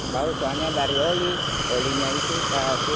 tahu soalnya dari oli olinya itu